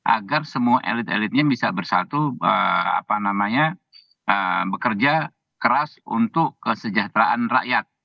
agar semua elit elitnya bisa bersatu bekerja keras untuk kesejahteraan rakyat